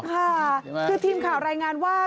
ค่ะคือทีมข่าวรายงานว่า